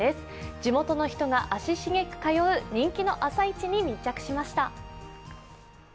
地元の人が足繁く通う人気の朝市に密着しました。